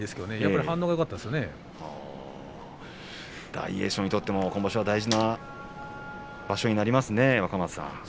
大栄翔にとっては今場所大事な場所になりますよね。